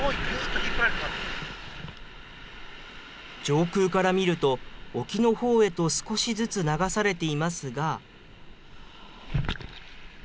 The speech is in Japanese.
上空から見ると、沖のほうへと少しずつ流されていますが。